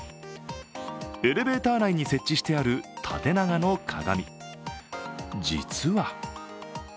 エレベーター内に設置してある縦長の鏡。